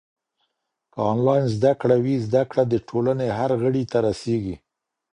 که انلاین زده کړه وي، زده کړه د ټولنې هر غړي ته رسېږي.